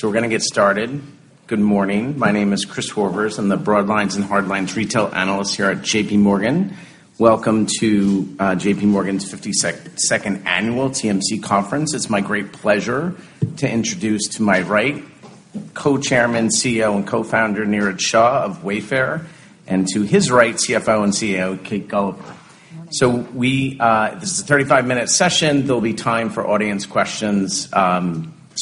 So we're gonna get started. Good morning. My name is Chris Horvers. I'm the Broadlines and Hardlines retail analyst here at JPMorgan. Welcome to JPMorgan's 50th annual TMC conference. It's my great pleasure to introduce to my right, Co-Chairman, CEO, and Co-Founder, Niraj Shah of Wayfair, and to his right, CFO and CAO, Kate Gulliver. Morning. So we, this is a 35-minute session. There'll be time for audience questions.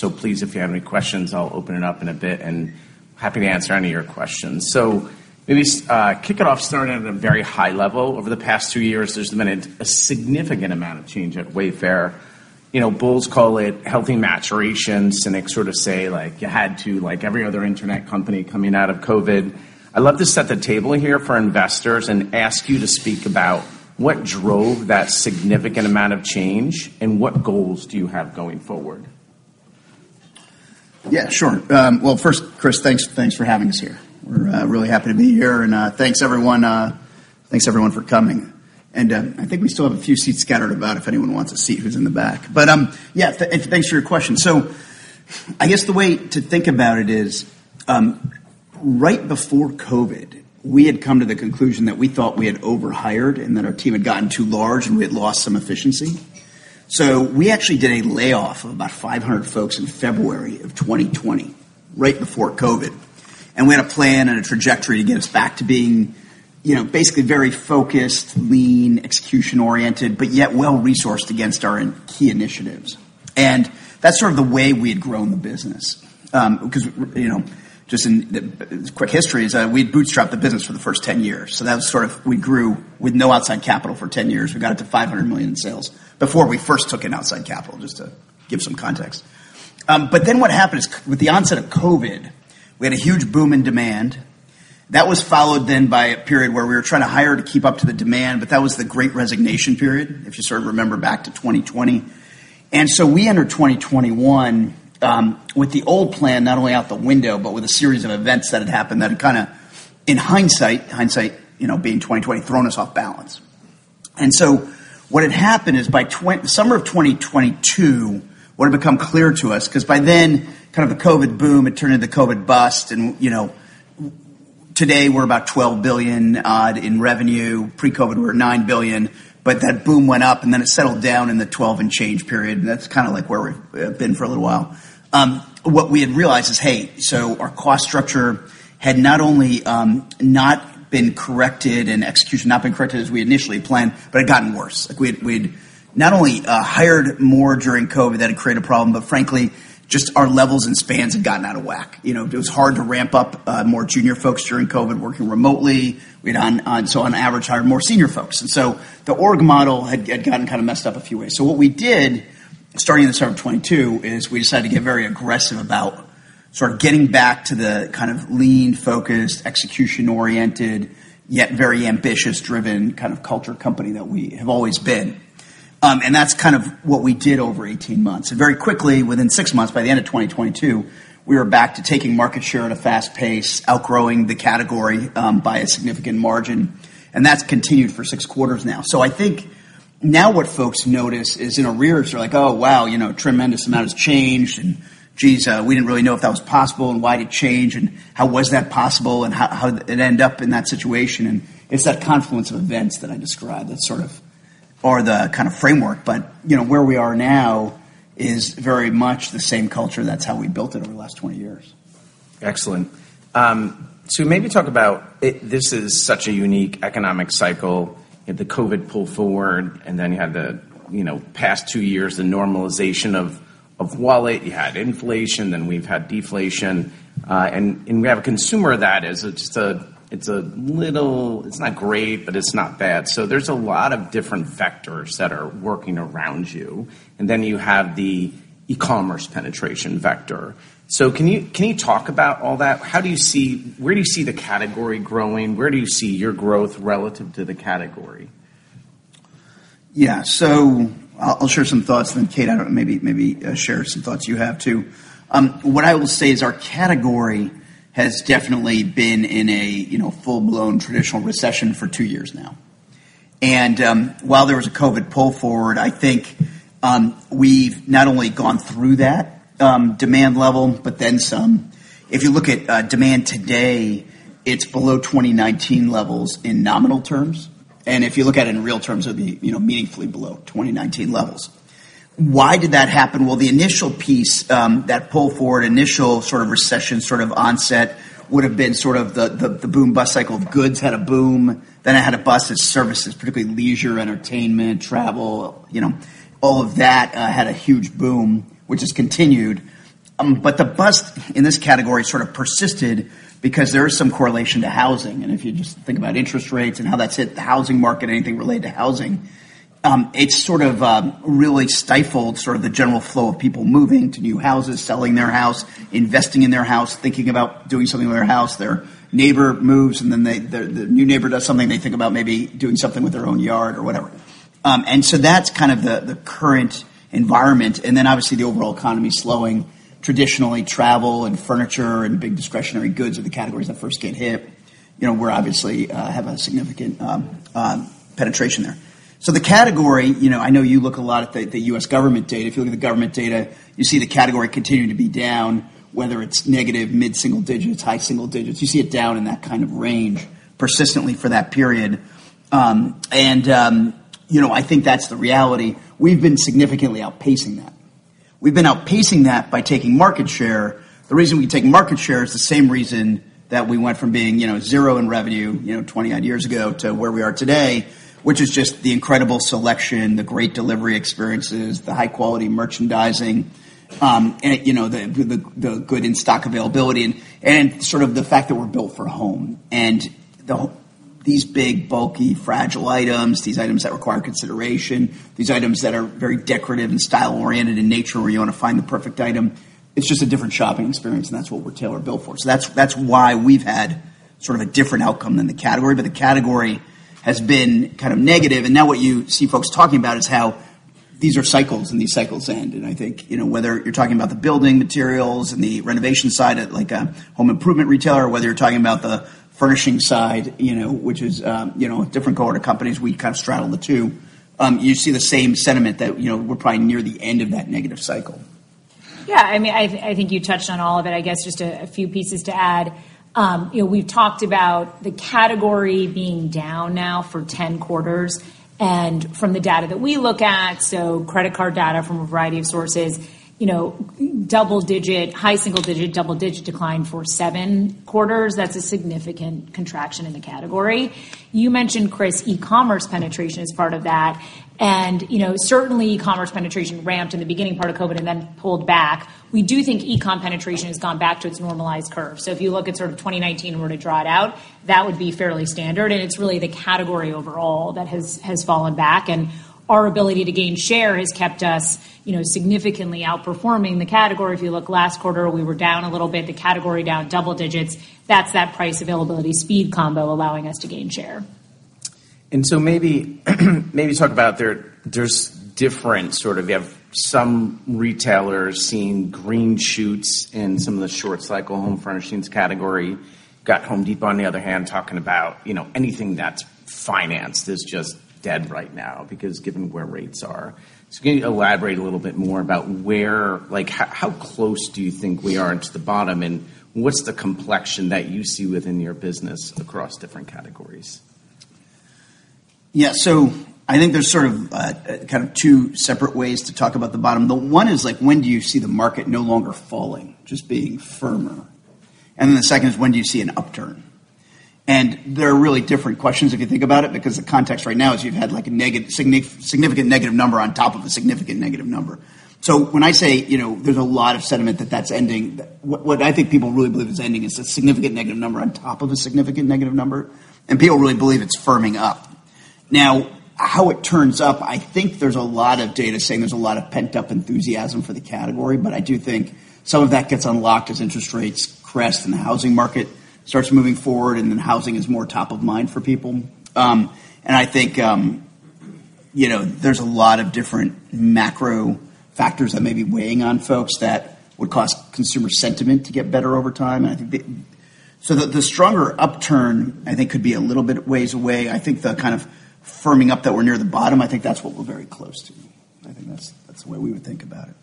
So please, if you have any questions, I'll open it up in a bit, and happy to answer any of your questions. So maybe, kick it off, starting at a very high level. Over the past two years, there's been a significant amount of change at Wayfair. You know, bulls call it healthy maturation, cynics sort of say, like, you had to, like every other internet company coming out of COVID. I'd love to set the table here for investors and ask you to speak about what drove that significant amount of change, and what goals do you have going forward? Yeah, sure. Well, first, Chris, thanks, thanks for having us here. We're really happy to be here, and thanks, everyone, thanks, everyone, for coming. And I think we still have a few seats scattered about if anyone wants a seat who's in the back. But yeah, thanks for your question. So I guess the way to think about it is, right before COVID, we had come to the conclusion that we thought we had overhired and that our team had gotten too large, and we had lost some efficiency. So we actually did a layoff of about 500 folks in February of 2020, right before COVID. And we had a plan and a trajectory to get us back to being, you know, basically very focused, lean, execution-oriented, but yet well-resourced against our key initiatives. And that's sort of the way we had grown the business. 'Cause, you know, just in the quick history is that we bootstrapped the business for the first 10 years, so that was sort of we grew with no outside capital for 10 years. We got it to $500 million in sales before we first took in outside capital, just to give some context. But then what happened is with the onset of COVID, we had a huge boom in demand. That was followed then by a period where we were trying to hire to keep up to the demand, but that was the Great Resignation period, if you sort of remember back to 2020. We entered 2021 with the old plan not only out the window but with a series of events that had happened that had kinda, in hindsight, you know, being 20/20, thrown us off balance. What had happened is, by summer of 2022, what had become clear to us, 'cause by then, kind of the COVID boom had turned into the COVID bust, and, you know, today, we're about $12 billion odd in revenue. Pre-COVID, we were $9 billion, but that boom went up, and then it settled down in the $12 billion and change period, and that's kinda like where we've been for a little while. What we had realized is, hey, so our cost structure had not only not been corrected and execution not been corrected as we initially planned, but it had gotten worse. Like, we'd not only hired more during COVID, that had created a problem, but frankly, just our levels and spans had gotten out of whack. You know, it was hard to ramp up more junior folks during COVID, working remotely. We'd on average hired more senior folks. And so the org model had gotten kinda messed up a few ways. So what we did, starting in the summer of 2022, is we decided to get very aggressive about sort of getting back to the kind of lean, focused, execution-oriented, yet very ambitious, driven, kind of culture company that we have always been. And that's kind of what we did over 18 months. Very quickly, within six months, by the end of 2022, we were back to taking market share at a fast pace, outgrowing the category by a significant margin, and that's continued for six quarters now. So I think now what folks notice is in a year, they're like: Oh, wow, you know, tremendous amount has changed, and jeez, we didn't really know if that was possible, and why'd it change, and how was that possible, and how did it end up in that situation? And it's that confluence of events that I described that sort of... or the kind of framework. But, you know, where we are now is very much the same culture. That's how we built it over the last 20 years. Excellent. So maybe talk about it. This is such a unique economic cycle. You had the COVID pull forward, and then you had the, you know, past two years, the normalization of, of wallet. You had inflation, then we've had deflation, and, and we have a consumer that is just a, it's a little... It's not great, but it's not bad. So there's a lot of different vectors that are working around you, and then you have the e-commerce penetration vector. So can you, can you talk about all that? How do you see, where do you see the category growing? Where do you see your growth relative to the category? Yeah. So I'll share some thoughts, then, Kate, I don't know, maybe share some thoughts you have, too. What I will say is our category has definitely been in a, you know, full-blown traditional recession for 2 years now. And while there was a COVID pull forward, I think, we've not only gone through that demand level, but then some. If you look at demand today, it's below 2019 levels in nominal terms, and if you look at it in real terms, they'll be, you know, meaningfully below 2019 levels. Why did that happen? Well, the initial piece, that pull forward, initial sort of recession, sort of onset, would've been sort of the boom-bust cycle. Goods had a boom, then it had a bust as services, particularly leisure, entertainment, travel, you know, all of that, had a huge boom, which has continued. But the bust in this category sort of persisted because there is some correlation to housing. And if you just think about interest rates and how that's hit the housing market, anything related to housing, it's sort of really stifled sort of the general flow of people moving to new houses, selling their house, investing in their house, thinking about doing something with their house. Their neighbor moves, and then they, the new neighbor does something, they think about maybe doing something with their own yard or whatever. And so that's kind of the current environment, and then obviously, the overall economy slowing. Traditionally, travel and furniture and big discretionary goods are the categories that first get hit.... you know, we're obviously, have a significant, penetration there. So the category, you know, I know you look a lot at the, the U.S. government data. If you look at the government data, you see the category continuing to be down, whether it's negative, mid-single digits, high single digits. You see it down in that kind of range persistently for that period. and, you know, I think that's the reality. We've been significantly outpacing that. We've been outpacing that by taking market share. The reason we take market share is the same reason that we went from being, you know, zero in revenue, you know, 20-odd years ago to where we are today, which is just the incredible selection, the great delivery experiences, the high-quality merchandising, and, you know, the good in-stock availability, and sort of the fact that we're built for home. And these big, bulky, fragile items, these items that require consideration, these items that are very decorative and style-oriented in nature, where you want to find the perfect item, it's just a different shopping experience, and that's what we're tailor-built for. So that's, that's why we've had sort of a different outcome than the category, but the category has been kind of negative. And now what you see folks talking about is how these are cycles, and these cycles end. I think, you know, whether you're talking about the building materials and the renovation side of, like, a home improvement retailer, or whether you're talking about the furnishing side, you know, which is, you know, a different cohort of companies, we kind of straddle the two. You see the same sentiment that, you know, we're probably near the end of that negative cycle. Yeah, I mean, I think you touched on all of it. I guess just a few pieces to add. You know, we've talked about the category being down now for 10 quarters, and from the data that we look at, so credit card data from a variety of sources, you know, double-digit, high single-digit, double-digit decline for seven quarters, that's a significant contraction in the category. You mentioned, Chris, e-commerce penetration as part of that, and, you know, certainly, e-commerce penetration ramped in the beginning part of COVID and then pulled back. We do think e-com penetration has gone back to its normalized curve. So if you look at sort of 2019 and were to draw it out, that would be fairly standard, and it's really the category overall that has, has fallen back, and our ability to gain share has kept us, you know, significantly outperforming the category. If you look last quarter, we were down a little bit, the category down double digits. That's that price availability, speed combo allowing us to gain share. And so maybe, maybe talk about there, there's different sort of you have some retailers seeing green shoots in some of the short cycle home furnishings category. Got Home Depot, on the other hand, talking about, you know, anything that's financed is just dead right now because given where rates are. So can you elaborate a little bit more about where like, how, how close do you think we are to the bottom, and what's the complexion that you see within your business across different categories? Yeah. So I think there's sort of, kind of two separate ways to talk about the bottom. The one is, like, when do you see the market no longer falling, just being firmer? And then the second is, when do you see an upturn? And they're really different questions if you think about it, because the context right now is you've had, like, a significant negative number on top of a significant negative number. So when I say, you know, there's a lot of sentiment that that's ending, what I think people really believe is ending is a significant negative number on top of a significant negative number, and people really believe it's firming up. Now, how it turns out, I think there's a lot of data saying there's a lot of pent-up enthusiasm for the category, but I do think some of that gets unlocked as interest rates crest and the housing market starts moving forward, and then housing is more top of mind for people. And I think, you know, there's a lot of different macro factors that may be weighing on folks that would cause consumer sentiment to get better over time. I think the stronger upturn, I think, could be a little bit ways away. I think the kind of firming up that we're near the bottom, I think that's what we're very close to. I think that's the way we would think about it.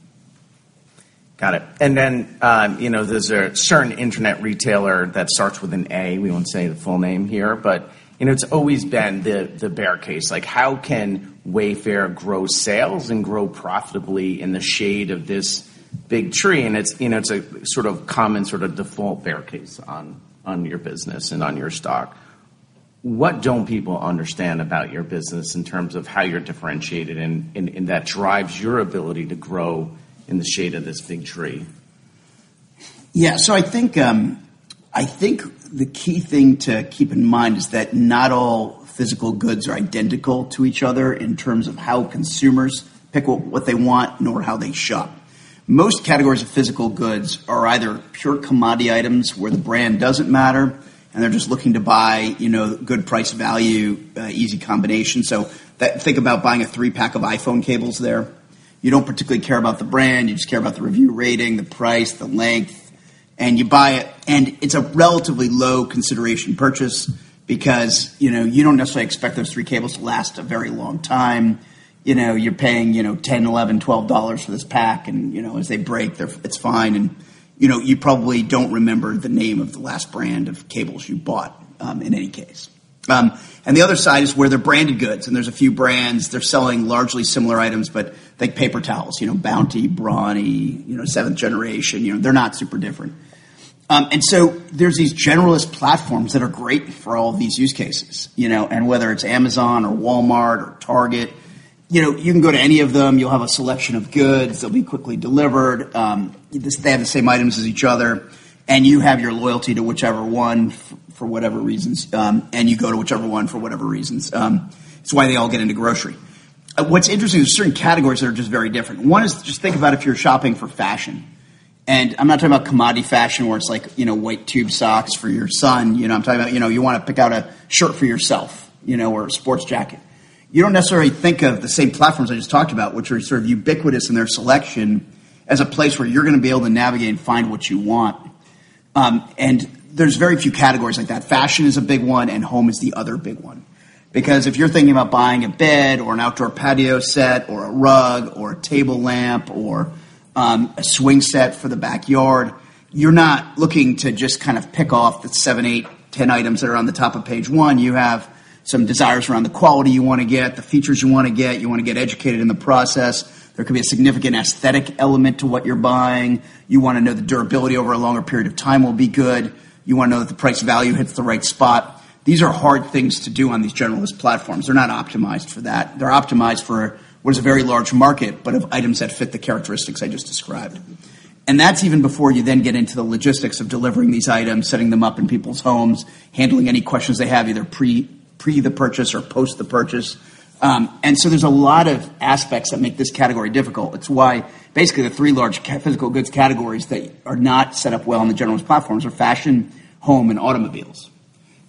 Got it. And then, you know, there's a certain internet retailer that starts with an A. We won't say the full name here, but, you know, it's always been the, the bear case. Like, how can Wayfair grow sales and grow profitably in the shade of this big tree? And it's, you know, it's a sort of common, sort of default bear case on, on your business and on your stock. What don't people understand about your business in terms of how you're differentiated and, and, and that drives your ability to grow in the shade of this big tree? Yeah. So I think, I think the key thing to keep in mind is that not all physical goods are identical to each other in terms of how consumers pick what, what they want nor how they shop. Most categories of physical goods are either pure commodity items, where the brand doesn't matter, and they're just looking to buy, you know, good price value, easy combination. So think about buying a 3-pack of iPhone cables there. You don't particularly care about the brand, you just care about the review rating, the price, the length, and you buy it, and it's a relatively low consideration purchase because, you know, you don't necessarily expect those three cables to last a very long time. You know, you're paying, you know, $10-$12 for this pack and, you know, as they break, it's fine. You know, you probably don't remember the name of the last brand of cables you bought, in any case. The other side is where they're branded goods, and there's a few brands. They're selling largely similar items, but think paper towels, you know, Bounty, Brawny, you know, Seventh Generation. You know, they're not super different. And so there's these generalist platforms that are great for all these use cases, you know, and whether it's Amazon or Walmart or Target, you know, you can go to any of them. You'll have a selection of goods. They'll be quickly delivered. They just have the same items as each other, and you have your loyalty to whichever one for whatever reasons, and you go to whichever one for whatever reasons. It's why they all get into grocery. What's interesting is certain categories are just very different. One is, just think about if you're shopping for fashion, and I'm not talking about commodity fashion, where it's like, you know, white tube socks for your son. You know, I'm talking about, you know, you want to pick out a shirt for yourself, you know, or a sports jacket.... you don't necessarily think of the same platforms I just talked about, which are sort of ubiquitous in their selection, as a place where you're gonna be able to navigate and find what you want. And there's very few categories like that. Fashion is a big one, and home is the other big one. Because if you're thinking about buying a bed, or an outdoor patio set, or a rug, or a table lamp, or a swing set for the backyard, you're not looking to just kind of pick off the seven, eight, 10 items that are on the top of page one. You have some desires around the quality you wanna get, the features you wanna get. You wanna get educated in the process. There could be a significant aesthetic element to what you're buying. You wanna know the durability over a longer period of time will be good. You wanna know that the price value hits the right spot. These are hard things to do on these generalist platforms. They're not optimized for that. They're optimized for what is a very large market, but of items that fit the characteristics I just described. And that's even before you then get into the logistics of delivering these items, setting them up in people's homes, handling any questions they have, either pre, pre the purchase or post the purchase. And so there's a lot of aspects that make this category difficult. It's why basically, the three large physical goods categories that are not set up well on the generalist platforms are fashion, home, and automobiles.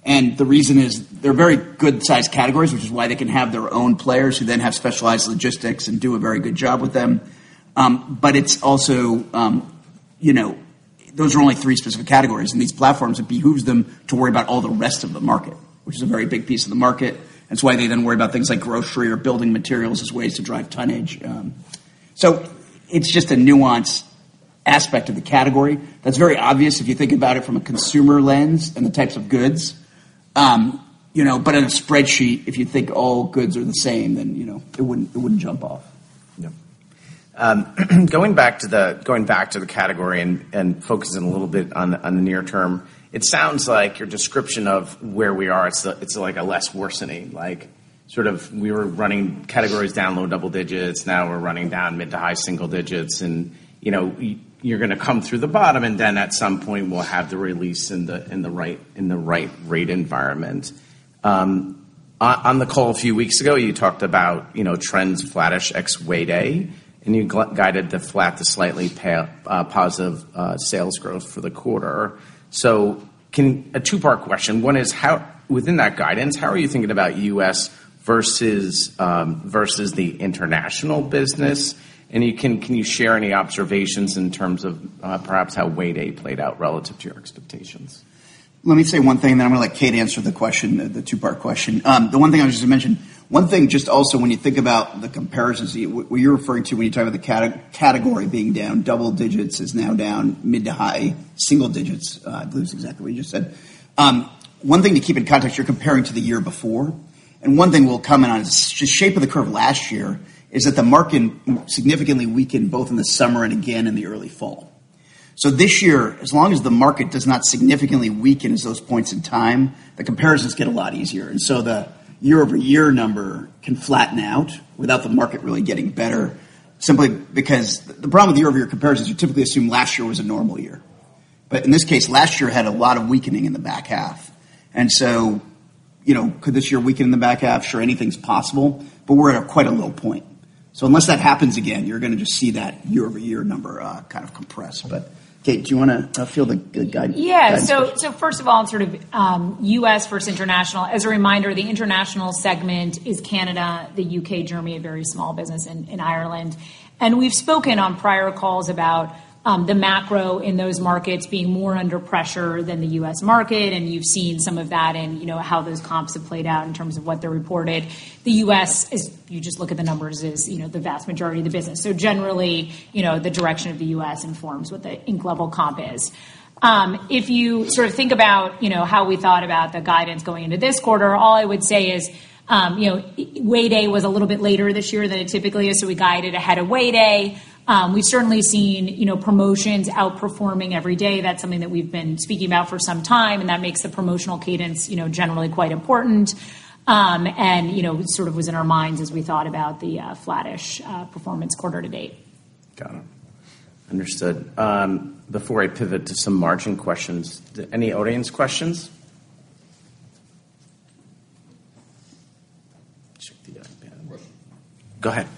And the reason is, they're very good-sized categories, which is why they can have their own players, who then have specialized logistics and do a very good job with them. But it's also, you know, those are only three specific categories, and these platforms, it behooves them to worry about all the rest of the market, which is a very big piece of the market. That's why they then worry about things like grocery or building materials as ways to drive tonnage. So it's just a nuanced aspect of the category that's very obvious if you think about it from a consumer lens and the types of goods. You know, but in a spreadsheet, if you think all goods are the same, then, you know, it wouldn't, it wouldn't jump off. Yeah. Going back to the category and focusing a little bit on the near term, it sounds like your description of where we are, it's like a less worsening. Like, sort of we were running categories down low double digits, now we're running down mid to high single digits and, you know, you're gonna come through the bottom, and then at some point, we'll have the release in the right rate environment. On the call a few weeks ago, you talked about, you know, trends flattish ex Way Day, and you guided the flat to slightly positive sales growth for the quarter. So can a two-part question. One is, how within that guidance, how are you thinking about U.S. versus the international business? Right. And can you share any observations in terms of, perhaps how Way Day played out relative to your expectations? Let me say one thing, then I'm gonna let Kate answer the question, the two-part question. The one thing I just mentioned, one thing, just also, when you think about the comparisons, what you're referring to when you talk about the category being down double digits, is now down mid to high single digits, I believe is exactly what you just said. One thing to keep in context, you're comparing to the year before, and one thing we'll comment on is the shape of the curve last year, is that the market significantly weakened both in the summer and again in the early fall. So this year, as long as the market does not significantly weaken as those points in time, the comparisons get a lot easier. And so the year-over-year number can flatten out without the market really getting better, simply because the problem with year-over-year comparisons, you typically assume last year was a normal year. But in this case, last year had a lot of weakening in the back half. And so, you know, could this year weaken in the back half? Sure, anything's possible, but we're at quite a low point. So unless that happens again, you're gonna just see that year-over-year number kind of compress. But Kate, do you wanna field the guide- Yeah. So first of all, sort of, U.S. versus international. As a reminder, the international segment is Canada, the U.K., Germany, a very small business in Ireland. And we've spoken on prior calls about the macro in those markets being more under pressure than the U.S. market, and you've seen some of that in, you know, how those comps have played out in terms of what they're reported. The U.S. is, you just look at the numbers, you know, the vast majority of the business. So generally, you know, the direction of the US informs what the global comp is. If you sort of think about, you know, how we thought about the guidance going into this quarter, all I would say is, you know, Way Day was a little bit later this year than it typically is, so we guided ahead of Way Day. We've certainly seen, you know, promotions outperforming every day. That's something that we've been speaking about for some time, and that makes the promotional cadence, you know, generally quite important. And, you know, it sort of was in our minds as we thought about the, flattish, performance quarter to date. Got it. Understood. Before I pivot to some margin questions, any audience questions? Check the panel. Question. Go ahead. Your thoughts on, like, immersive shopping and really using that to educate your customers on,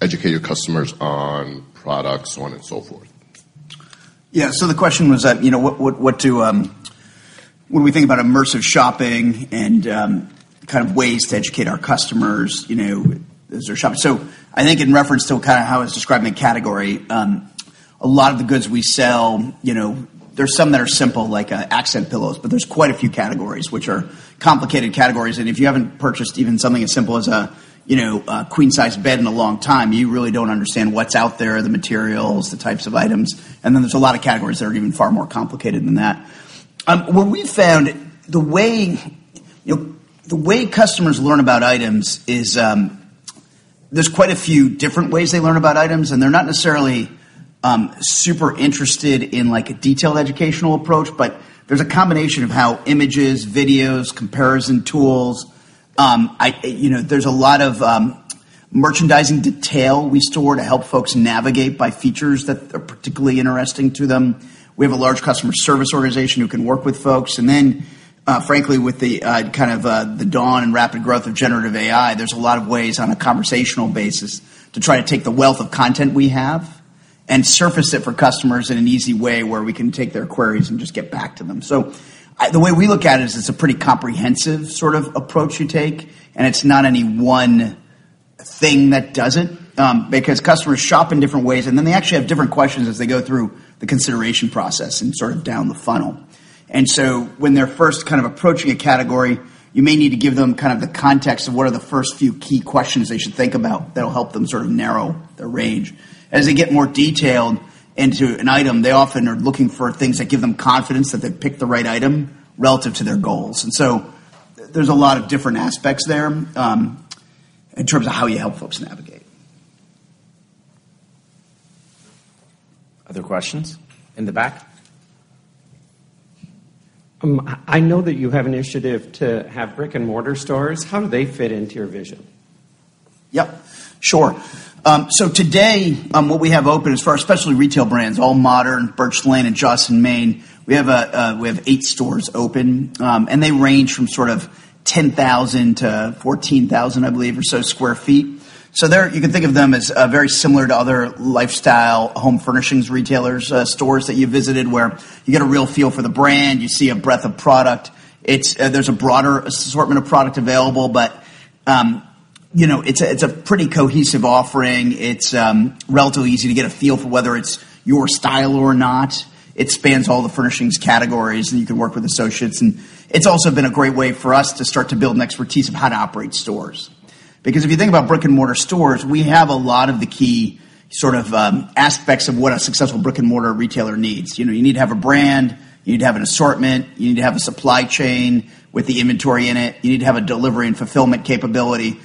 educate your customers on products, so on and so forth? Yeah. So the question was that, you know, what do when we think about immersive shopping and, kind of ways to educate our customers, you know, as they're shopping. So I think in reference to kind of how I was describing the category, a lot of the goods we sell, you know, there's some that are simple, like, accent pillows, but there's quite a few categories which are complicated categories, and if you haven't purchased even something as simple as a, you know, a queen-size bed in a long time, you really don't understand what's out there, the materials, the types of items, and then there's a lot of categories that are even far more complicated than that. What we found, the way, you know, the way customers learn about items is, there's quite a few different ways they learn about items, and they're not necessarily super interested in, like, a detailed educational approach. But there's a combination of how images, videos, comparison tools, you know, there's a lot of merchandising detail we store to help folks navigate by features that are particularly interesting to them. We have a large customer service organization who can work with folks, and then, frankly, with the kind of dawn and rapid growth of generative AI, there's a lot of ways on a conversational basis to try to take the wealth of content we have... and surface it for customers in an easy way, where we can take their queries and just get back to them. So, the way we look at it is, it's a pretty comprehensive sort of approach you take, and it's not any one thing that does it. Because customers shop in different ways, and then they actually have different questions as they go through the consideration process and sort of down the funnel. And so when they're first kind of approaching a category, you may need to give them kind of the context of what are the first few key questions they should think about that'll help them sort of narrow their range. As they get more detailed into an item, they often are looking for things that give them confidence that they've picked the right item relative to their goals. And so there's a lot of different aspects there, in terms of how you help folks navigate. Other questions? In the back. I know that you have an initiative to have brick-and-mortar stores. How do they fit into your vision? Yep, sure. So today, what we have open as far as specialty retail brands, AllModern, Birch Lane, and Joss & Main, we have eight stores open. And they range from sort of 10,000-14,000 sq ft, I believe, or so. So, you can think of them as very similar to other lifestyle home furnishings retailers stores that you visited, where you get a real feel for the brand, you see a breadth of product. It's. There's a broader assortment of product available, but, you know, it's a pretty cohesive offering. It's relatively easy to get a feel for whether it's your style or not. It spans all the furnishings categories, and you can work with associates, and it's also been a great way for us to start to build an expertise of how to operate stores. Because if you think about brick-and-mortar stores, we have a lot of the key sort of aspects of what a successful brick-and-mortar retailer needs. You know, you need to have a brand, you need to have an assortment, you need to have a supply chain with the inventory in it, you need to have a delivery and fulfillment capability,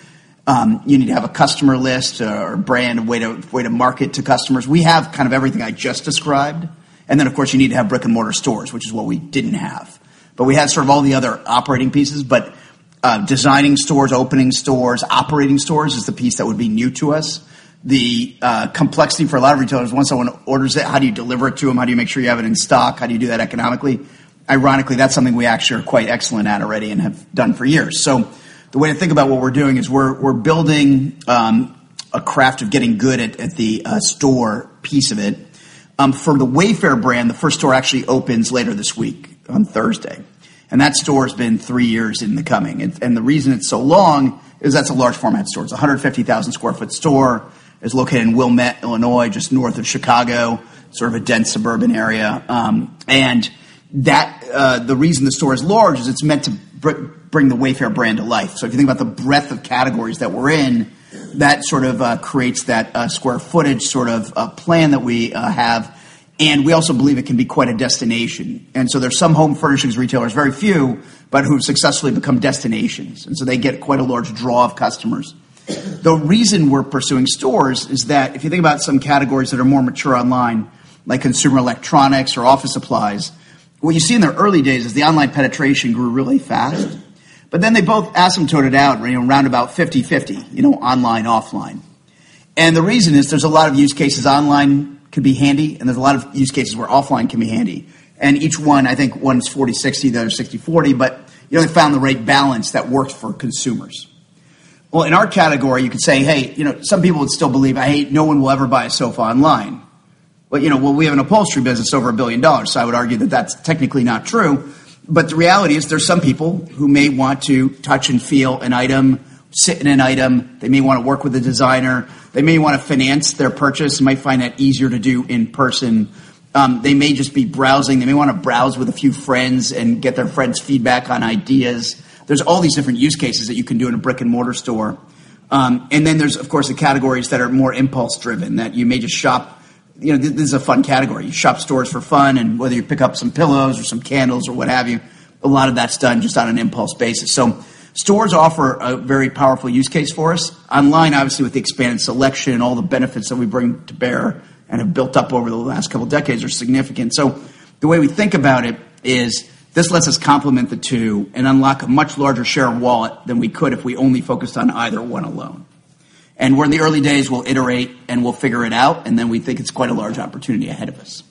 you need to have a customer list or brand, a way to market to customers. We have kind of everything I just described, and then, of course, you need to have brick-and-mortar stores, which is what we didn't have. But we had sort of all the other operating pieces, but, designing stores, opening stores, operating stores, is the piece that would be new to us. The complexity for a lot of retailers, once someone orders it, how do you deliver it to them? How do you make sure you have it in stock? How do you do that economically? Ironically, that's something we actually are quite excellent at already and have done for years. So the way to think about what we're doing is we're building a craft of getting good at the store piece of it. For the Wayfair brand, the first store actually opens later this week, on Thursday, and that store's been three years in the coming. And the reason it's so long is that's a large format store. It's a 150,000 sq ft store. It's located in Wilmette, Illinois, just north of Chicago, sort of a dense suburban area. And that, the reason the store is large is it's meant to bring the Wayfair brand to life. So if you think about the breadth of categories that we're in, that sort of creates that square footage, sort of plan that we have, and we also believe it can be quite a destination. And so there's some home furnishings retailers, very few, but who've successfully become destinations, and so they get quite a large draw of customers. The reason we're pursuing stores is that if you think about some categories that are more mature online, like consumer electronics or office supplies, what you see in their early days is the online penetration grew really fast, but then they both asymptoted out, you know, around about 50/50, you know, online, offline. And the reason is, there's a lot of use cases online can be handy, and there's a lot of use cases where offline can be handy. And each one, I think one is 40/60, the other 60/40, but, you know, they found the right balance that worked for consumers. Well, in our category, you could say, "Hey," you know, some people would still believe, "Hey, no one will ever buy a sofa online." But, you know, well, we have an upholstery business over $1 billion, so I would argue that that's technically not true. But the reality is, there's some people who may want to touch and feel an item, sit in an item, they may want to work with a designer. They may want to finance their purchase, and might find that easier to do in person. They may just be browsing. They may want to browse with a few friends and get their friends' feedback on ideas. There's all these different use cases that you can do in a brick-and-mortar store. And then there's, of course, the categories that are more impulse-driven, that you may just shop... You know, this is a fun category. You shop stores for fun, and whether you pick up some pillows or some candles or what have you, a lot of that's done just on an impulse basis. So stores offer a very powerful use case for us. Online, obviously, with the expanded selection and all the benefits that we bring to bear and have built up over the last couple of decades are significant. So the way we think about it is, this lets us complement the two and unlock a much larger share of wallet than we could if we only focused on either one alone. And we're in the early days, we'll iterate, and we'll figure it out, and then we think it's quite a large opportunity ahead of us.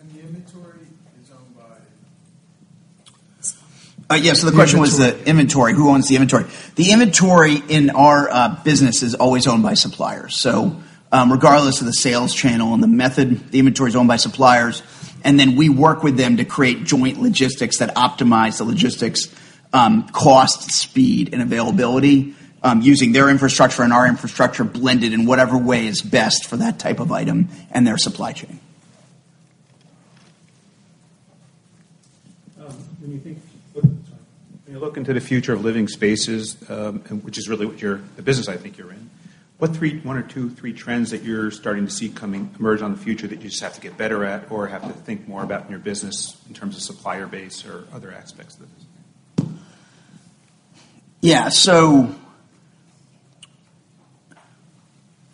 And the inventory is owned by? So the question was the inventory- who owns the inventory? The inventory in our business is always owned by suppliers. So, regardless of the sales channel and the method, the inventory is owned by suppliers, and then we work with them to create joint logistics that optimize the logistics, cost, speed, and availability, using their infrastructure and our infrastructure blended in whatever way is best for that type of item and their supply chain. When you look into the future of living spaces, and which is really what you're, the business I think you're in, what one or two, three trends that you're starting to see coming, emerge on the future that you just have to get better at or have to think more about in your business in terms of supplier base or other aspects of the business? Yeah.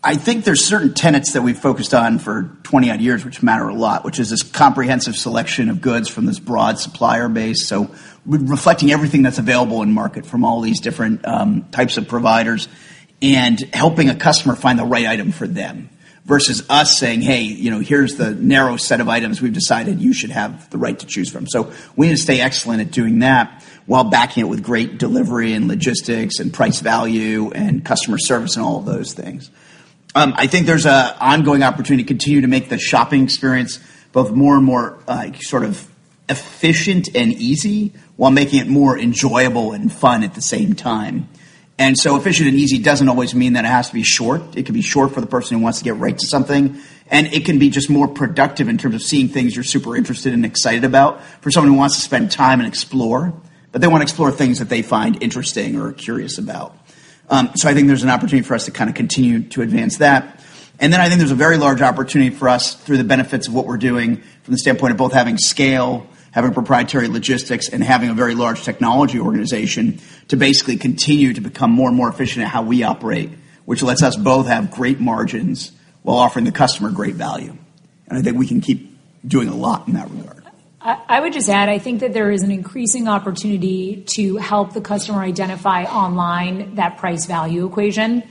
I think there's certain tenets that we've focused on for 20-odd years, which matter a lot, which is this comprehensive selection of goods from this broad supplier base. So we're reflecting everything that's available in the market from all these different types of providers, and helping a customer find the right item for them. Versus us saying, "Hey, you know, here's the narrow set of items we've decided you should have the right to choose from." So we need to stay excellent at doing that, while backing it with great delivery, and logistics, and price value, and customer service, and all of those things. I think there's an ongoing opportunity to continue to make the shopping experience both more and more sort of efficient and easy, while making it more enjoyable and fun at the same time. And so efficient and easy doesn't always mean that it has to be short. It could be short for the person who wants to get right to something, and it can be just more productive in terms of seeing things you're super interested and excited about, for someone who wants to spend time and explore. But they wanna explore things that they find interesting or curious about. So I think there's an opportunity for us to kinda continue to advance that. And then I think there's a very large opportunity for us through the benefits of what we're doing from the standpoint of both having scale, having proprietary logistics, and having a very large technology organization, to basically continue to become more and more efficient at how we operate, which lets us both have great margins while offering the customer great value. I think we can keep doing a lot in that regard. I would just add, I think that there is an increasing opportunity to help the customer identify online that price-value equation.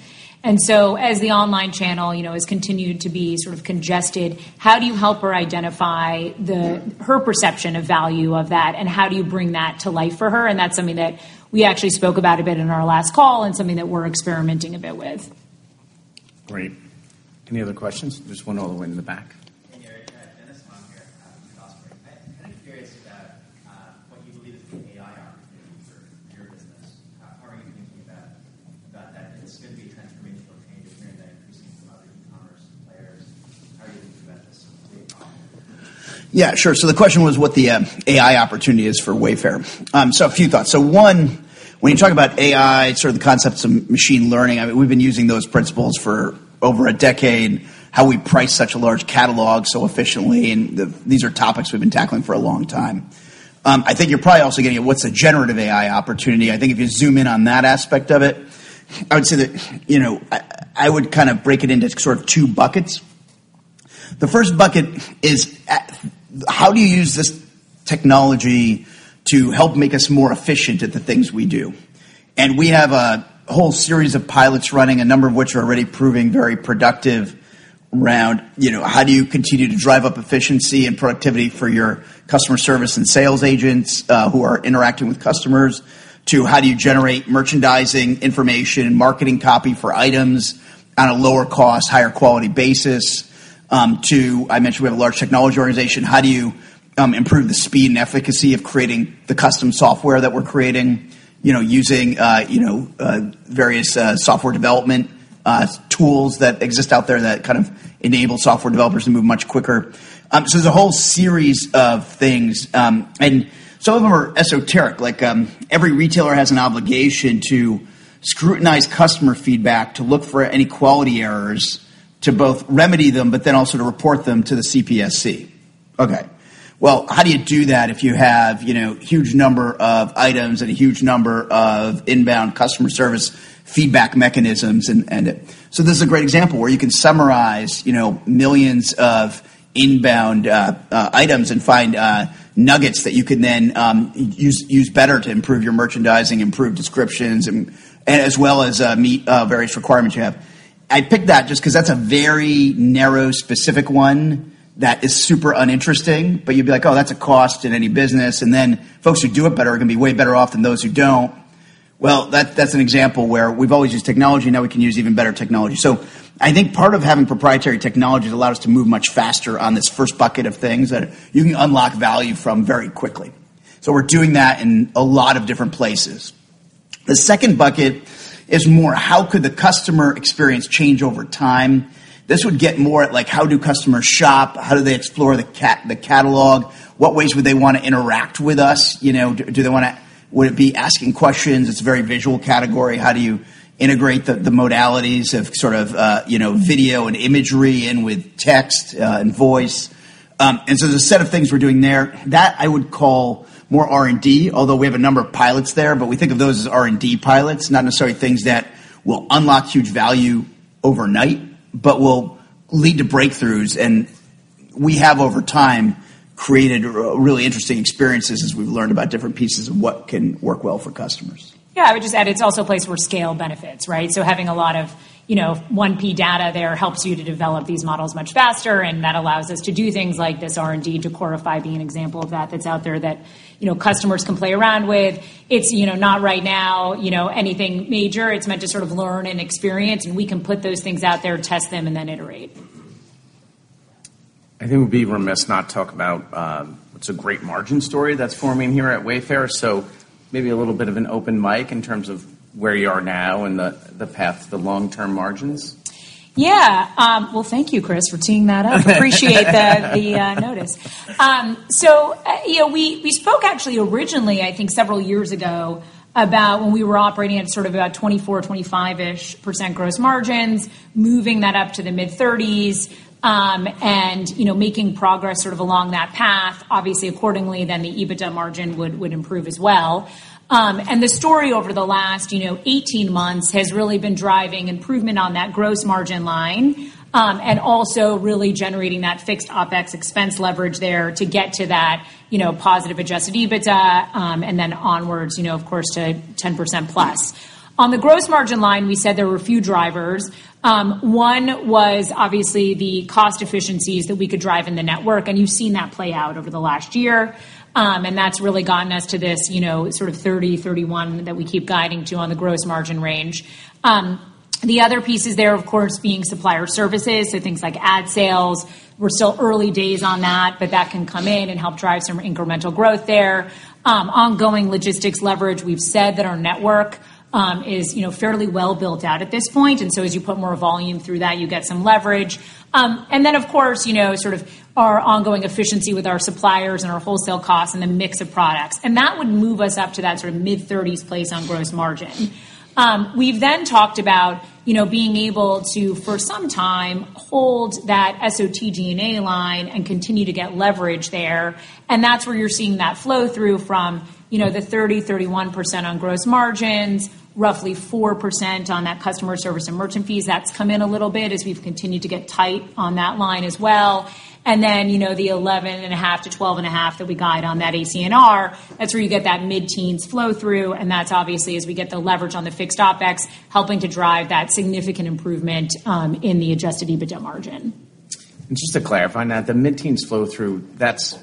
And so, as the online channel, you know, has continued to be sort of congested, how do you help her identify the- Mm-hmm. her perception of value of that, and how do you bring that to life for her? And that's something that we actually spoke about a bit in our last call and something that we're experimenting a bit with. Great. Any other questions? There's one all the way in the back. Hey, there. Dennis Ma here with Artisan. I'm kind of curious about what you believe is the AI opportunity for your business. How are you thinking about that? It's gonna be a transformational change. We're hearing that increasingly from other e-commerce players. How are you thinking about this today? Yeah, sure. So the question was what the AI opportunity is for Wayfair. So a few thoughts. So one, when you talk about AI, sort of the concepts of machine learning, I mean, we've been using those principles for over a decade, how we price such a large catalog so efficiently, and these are topics we've been tackling for a long time. I think you're probably also getting at what's the generative AI opportunity. I think if you zoom in on that aspect of it, I would say that, you know, I would kinda break it into sort of two buckets. The first bucket is at how do you use this technology to help make us more efficient at the things we do? And we have a whole series of pilots running, a number of which are already proving very productive around, you know, how do you continue to drive up efficiency and productivity for your customer service and sales agents who are interacting with customers? To how do you generate merchandising information and marketing copy for items on a lower cost, higher quality basis? I mentioned we have a large technology organization. How do you improve the speed and efficacy of creating the custom software that we're creating, you know, using you know various software development tools that exist out there that kind of enable software developers to move much quicker? So there's a whole series of things, and some of them are esoteric. Like, every retailer has an obligation to scrutinize customer feedback, to look for any quality errors, to both remedy them, but then also to report them to the CPSC. Okay. Well, how do you do that if you have, you know, huge number of items and a huge number of inbound customer service feedback mechanisms? So this is a great example where you can summarize, you know, millions of inbound items and find nuggets that you can then use better to improve your merchandising, improve descriptions, and as well as meet various requirements you have. I picked that just 'cause that's a very narrow, specific one that is super uninteresting, but you'd be like, "Oh, that's a cost in any business." And then folks who do it better are gonna be way better off than those who don't. Well, that's an example where we've always used technology, now we can use even better technology. So I think part of having proprietary technology has allowed us to move much faster on this first bucket of things that you can unlock value from very quickly. So we're doing that in a lot of different places. The second bucket is more, how could the customer experience change over time? This would get more at, like, how do customers shop? How do they explore the catalog? What ways would they wanna interact with us? You know, do they wanna... Would it be asking questions? It's a very visual category. How do you integrate the modalities of sort of, you know, video and imagery in with text and voice? And so there's a set of things we're doing there. That, I would call more R&D, although we have a number of pilots there, but we think of those as R&D pilots, not necessarily things that will unlock huge value overnight, but will lead to breakthroughs. And we have, over time, created really interesting experiences as we've learned about different pieces of what can work well for customers. Yeah, I would just add, it's also a place where scale benefits, right? So having a lot of, you know, 1P data there helps you to develop these models much faster, and that allows us to do things like this R&D, Decorify being an example of that, that's out there that, you know, customers can play around with. It's, you know, not right now, you know, anything major. It's meant to sort of learn and experience, and we can put those things out there, test them, and then iterate. Mm-hmm. I think we'd be remiss not to talk about what's a great margin story that's forming here at Wayfair. So maybe a little bit of an open mic in terms of where you are now and the path to long-term margins. Yeah, well, thank you, Chris, for teeing that up. Appreciate the notice. So, you know, we spoke actually originally, I think, several years ago, about when we were operating at sort of about 24, 25-ish% gross margins, moving that up to the mid-30s, and, you know, making progress sort of along that path. Obviously, accordingly, then the EBITDA margin would improve as well. And the story over the last, you know, 18 months has really been driving improvement on that gross margin line, and also really generating that fixed OpEx expense leverage there to get to that, you know, positive Adjusted EBITDA, and then onwards, you know, of course, to 10%+. On the gross margin line, we said there were a few drivers. One was obviously the cost efficiencies that we could drive in the network, and you've seen that play out over the last year. And that's really gotten us to this, you know, sort of 30%-31% that we keep guiding to on the gross margin range. The other pieces there, of course, being supplier services, so things like ad sales. We're still early days on that, but that can come in and help drive some incremental growth there. Ongoing logistics leverage. We've said that our network is, you know, fairly well built out at this point, and so as you put more volume through that, you get some leverage. And then, of course, you know, sort of our ongoing efficiency with our suppliers and our wholesale costs and the mix of products, and that would move us up to that sort of mid-thirties place on gross margin. We've then talked about, you know, being able to, for some time, hold that SOTG&A line and continue to get leverage there, and that's where you're seeing that flow through from, you know, the 30-31% on gross margins, roughly 4% on that customer service and merchant fees. That's come in a little bit as we've continued to get tight on that line as well. You know, the 11.5%-12.5 that we guide on that advertising, that's where you get that mid-teens flow through, and that's obviously as we get the leverage on the fixed OpEx, helping to drive that significant improvement in the Adjusted EBITDA margin. Just to clarify, now, the mid-teens flow through, that's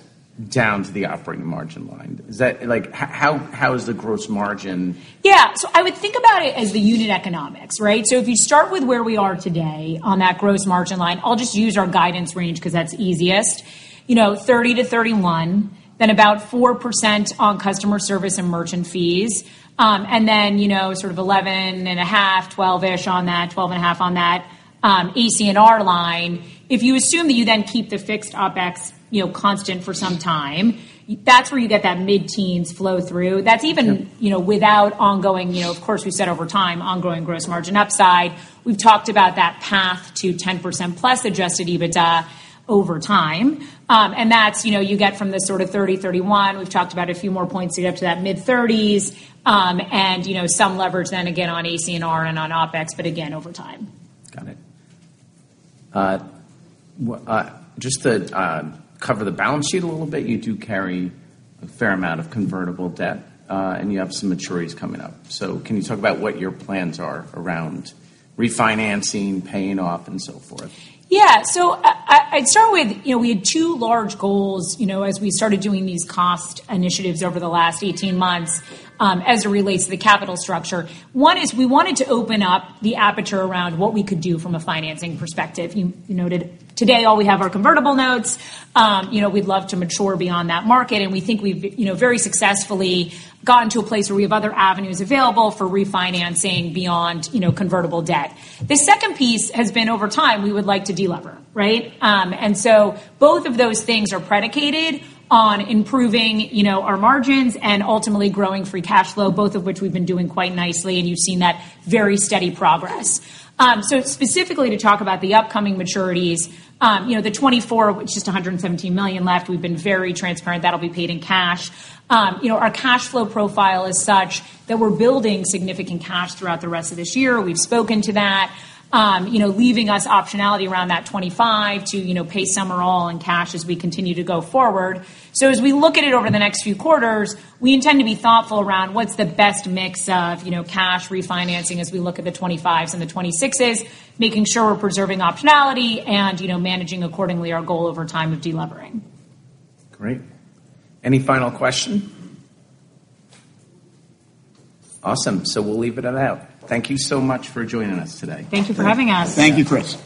down to the operating margin line. Is that... Like, how, how is the gross margin? Yeah. So I would think about it as the unit economics, right? So if you start with where we are today on that gross margin line, I'll just use our guidance range because that's easiest. You know, 30%-31%, then about 4% on customer service and merchant fees, and then, you know, sort of 11.5, 12-ish on that, 12.5 on that, ACNR line. If you assume that you then keep the fixed OpEx, you know, constant for some time, that's where you get that mid-teens flow through. That's even- Okay... you know, without ongoing, you know, of course, we've said over time, ongoing gross margin upside. We've talked about that path to 10%+ Adjusted EBITDA over time. And that's, you know, you get from the sort of 30, 31. We've talked about a few more points to get up to that mid-30s, and, you know, some leverage then again on ACNR and on OpEx, but again, over time. Got it. Just to cover the balance sheet a little bit, you do carry a fair amount of convertible debt, and you have some maturities coming up. So can you talk about what your plans are around refinancing, paying off, and so forth? Yeah. So I'd start with, you know, we had two large goals, you know, as we started doing these cost initiatives over the last 18 months, as it relates to the capital structure. One is we wanted to open up the aperture around what we could do from a financing perspective. You noted today, all we have are convertible notes. You know, we'd love to mature beyond that market, and we think we've, you know, very successfully gotten to a place where we have other avenues available for refinancing beyond, you know, convertible debt. The second piece has been, over time, we would like to delever, right? And so both of those things are predicated on improving, you know, our margins and ultimately growing free cash flow, both of which we've been doing quite nicely, and you've seen that very steady progress. So specifically to talk about the upcoming maturities, you know, the 2024, which is $117 million left, we've been very transparent, that'll be paid in cash. You know, our cash flow profile is such that we're building significant cash throughout the rest of this year. We've spoken to that. You know, leaving us optionality around that 2025 to, you know, pay some or all in cash as we continue to go forward. So as we look at it over the next few quarters, we intend to be thoughtful around what's the best mix of, you know, cash refinancing as we look at the 2025s and the 2026s, making sure we're preserving optionality and, you know, managing accordingly our goal over time of delevering. Great. Any final question? Awesome. So we'll leave it at that. Thank you so much for joining us today. Thank you for having us. Thank you, Chris.